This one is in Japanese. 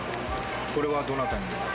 これはどなたに？